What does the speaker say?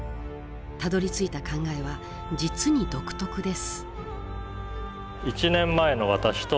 たどりついた考えは実に独特です